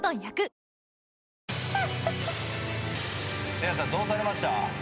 せいやさんどうされました？